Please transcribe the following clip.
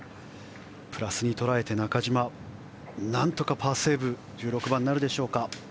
プラスに捉えて中島、何とかパーセーブに１６番はなるでしょうか。